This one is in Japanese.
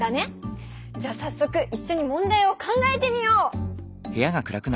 じゃあさっそくいっしょに問題を考えてみよう！